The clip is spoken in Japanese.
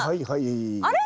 あれ？